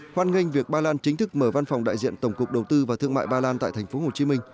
hoan nghênh việc ba lan chính thức mở văn phòng đại diện tổng cục đầu tư và thương mại ba lan tại tp hcm